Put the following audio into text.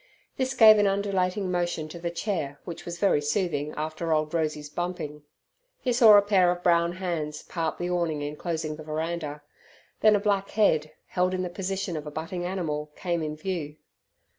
This gave an undulating motion to the chair which was very soothing after old Rosey's bumping. He saw a pair of brown hands part the awning enclosing the veranda. Then a black head, held in the position of a butting animal, came in view.